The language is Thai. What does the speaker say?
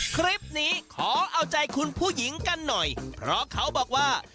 คลิปนี้ขอเอาใจคุณผู้หญิงกันหน่อยเพราะเขาบอกว่า